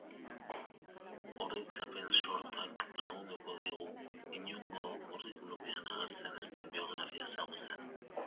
Oroitzapen sortak lagunduko digu inongo curriculumean agertzen ez den biografia ezagutzen.